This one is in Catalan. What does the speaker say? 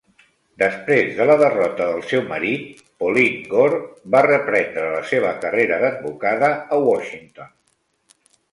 Després de la derrota del seu marit, Pauline Gore va reprendre la seva carrera d'advocada a Washington.